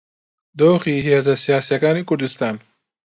دۆخی هێزە سیاسییەکانی کوردستان